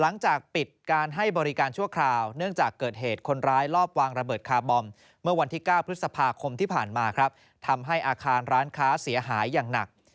ในเวลาศัพท์คมที่ผ่านมาครับทำให้อาคารร้านค้าเสียหายอย่างหนัก